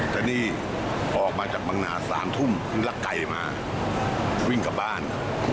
แต่นี่ออกมาจากบังนา๓ทุ่มรักไก่มาวิ่งกลับบ้าน